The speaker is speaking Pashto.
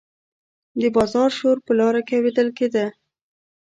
د بازار شور په لاره کې اوریدل کیده.